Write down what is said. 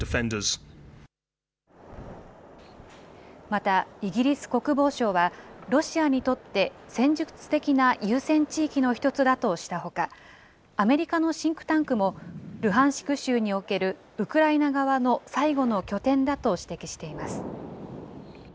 またイギリス国防省は、ロシアにとって戦術的な優先地域の一つだとしたほか、アメリカのシンクタンクも、ルハンシク州におけるウクライナ側の最後の拠点だと指摘しています。